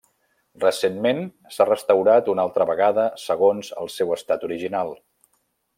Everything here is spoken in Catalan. Recentment, s'ha restaurat una altra vegada segons el seu estat original.